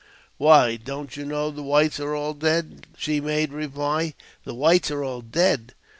" Why, don't you know the whites are all dead? " she made reply. \" The whites are all dead!